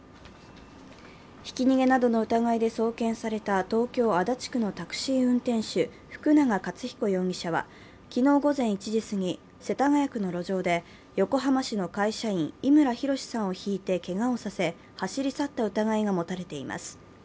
ひき逃げなどの疑いで送検された東京・足立区のタクシー運転手・福永克彦容疑者は昨日午前１時過ぎ、世田谷区の路上で、横浜市の会社員、伊村周さんをひいてけがをさせ走り去った疑いが持たれています。